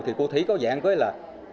thì cô thúy có dạng với là